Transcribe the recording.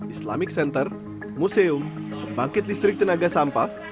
islamic center museum pembangkit listrik tenaga sampah